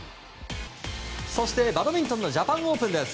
そして、バドミントンのジャパンオープンです。